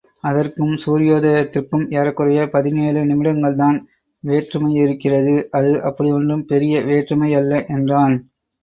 அதற்கும் சூரியோதயத்திற்கும் ஏறக்குறையப் பதினேழு நிமிடங்கள்தான் வேற்றுமையிருக்கிறது, அது அப்படி ஒன்றும் பெரிய வேற்றுமையல்ல! என்றான்.